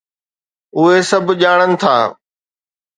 اهي سڀ ڄاڻن ٿا.